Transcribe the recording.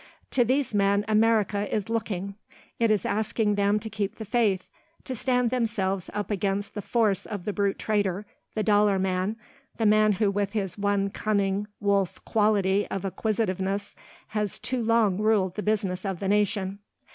To these men America is looking. It is asking them to keep the faith, to stand themselves up against the force of the brute trader, the dollar man, the man who with his one cunning wolf quality of acquisitiveness has too long ruled the business of the nation.